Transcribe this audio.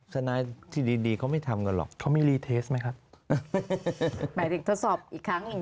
ทนายที่ดีดีเขาไม่ทำกันหรอกเขามีรีเทสไหมครับหมายถึงทดสอบอีกครั้งหนึ่ง